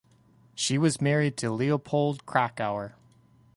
She was married to Leopold Krakauer.